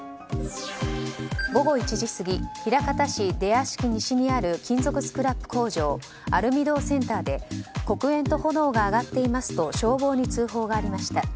午後１時過ぎ枚方市出屋敷西町にある金属スクラップ工場アルミ銅センターで黒煙と炎が上がっていますと消防に通報がありました。